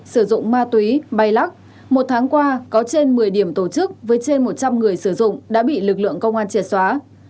sử dụng ma túy bay lắc một tháng qua có trên một mươi điểm tổ chức với trên một trăm linh người sử dụng đã bị lực lượng công an triệt xóa